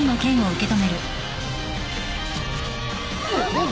あっ！？